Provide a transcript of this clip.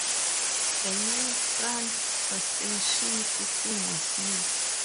A new front suspension system was used.